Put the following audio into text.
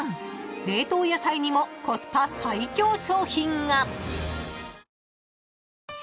［冷凍野菜にもコスパ最強商品が］